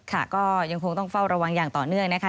ค่ะก็ยังคงต้องเฝ้าระวังอย่างต่อเนื่องนะคะ